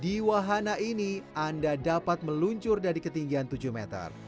diwahana ini anda dapat meluncur dari ketinggian tujuh meter